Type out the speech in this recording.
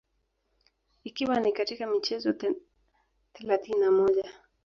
ikiwa ni katika michezo thelathini na moja